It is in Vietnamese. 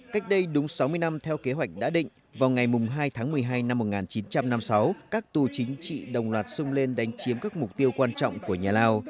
cách đây đúng sáu mươi năm theo kế hoạch đã định vào ngày hai tháng một mươi hai năm một nghìn chín trăm năm mươi sáu các tù chính trị đồng loạt sung lên đánh chiếm các mục tiêu quan trọng của nhà lao